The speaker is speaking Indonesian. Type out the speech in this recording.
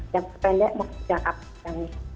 yang sependek mungkin jangan apa apa